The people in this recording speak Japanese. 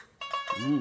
「うん。